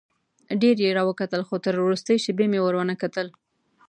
ډېر یې راوکتل خو تر وروستۍ شېبې مې ور ونه کتل.